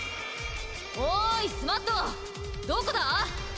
おいスマットどこだ？